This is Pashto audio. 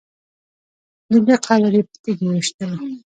دده قبر یې په تیږو ویشتلو.